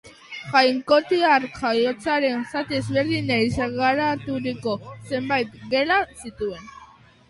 Jainkotiar jaiotzaren zati ezberdinei sagaraturiko zenbait gela zituen.